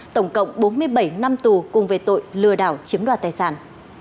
tổng cộng bốn mươi bảy năm tù cùng về tội lừa đảo chiếm đoạt tài sản